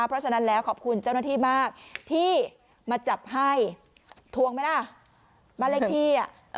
เพราะฉะนั้นแล้วขอบคุณเจ้าหน้าที่มากที่มาจับให้ทวงไหมล่ะบ้านเลขที่อ่ะ